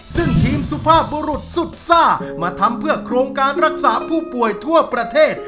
ซึ่งทีมสุภาพบุรุษสุดซ่ามาทำเพื่อโครงการรักษาผู้ป่วยทั่วประเทศ